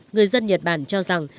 người dân nhật bản cho rằng